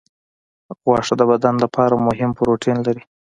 غوښه د بدن لپاره مهم پروټین لري.